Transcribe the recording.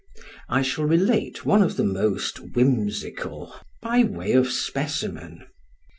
I shall relate one of the most whimsical, by way of specimen.